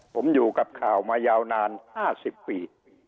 ผมอยู่กับข่าวมายาวนาน๕๐ปี